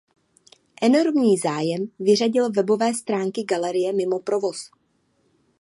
Enormní zájem vyřadil webové stránky galerie mimo provoz.